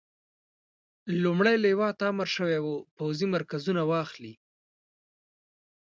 لومړۍ لواء ته امر شوی وو پوځي مرکزونه واخلي.